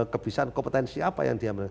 kebisaan kompetensi apa yang dia